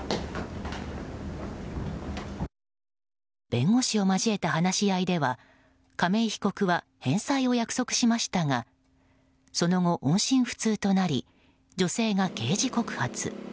弁護士を交えた話し合いでは亀井被告は返済を約束しましたがその後、音信不通となり女性が刑事告発。